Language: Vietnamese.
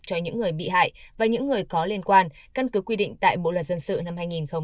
cho những người bị hại và những người có liên quan căn cứ quy định tại bộ luật dân sự năm hai nghìn một mươi năm